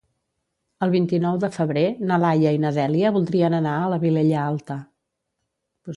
El vint-i-nou de febrer na Laia i na Dèlia voldrien anar a la Vilella Alta.